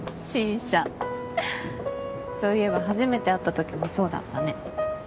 そういえば初めて会ったときもそうだったね。